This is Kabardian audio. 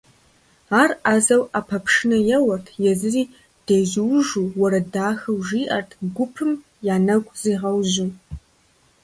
Ар ӏэзэу ӏэпэпшынэ еуэрт, езыри дежьуужу, уэрэд дахэу жиӏэрт, гупым я нэгу зригъэужьу.